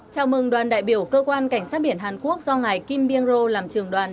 chào mừng đoàn đại biểu cơ quan cảnh sát biển hàn quốc do ngài kim byung ro làm trường đoàn